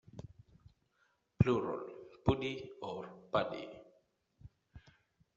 Plural: pudi or pudy.